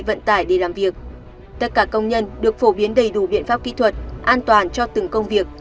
vận tải để làm việc tất cả công nhân được phổ biến đầy đủ biện pháp kỹ thuật an toàn cho từng công việc